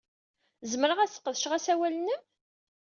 Zemreɣ ad sqedceɣ asawal-nnem?